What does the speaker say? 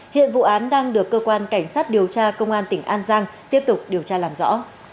hiện vụ án đang được cơ quan cảnh sát điều tra công an tỉnh an giang tiếp tục điều tra làm rõ